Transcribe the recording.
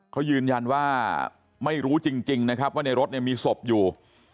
เขายืนยันว่าไม่รู้จริงนะครับว่าในรถเนี่ยมีศพอยู่